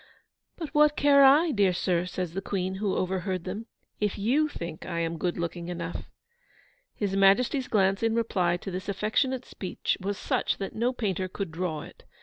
'But what care I, dear sir,' says the Queen, who overheard them, 'if YOU think I am good looking enough?' His Majesty's glance in reply to this affectionate speech was such that no painter could draw it.